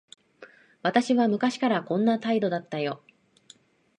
私は昔からこんな態度だったよ。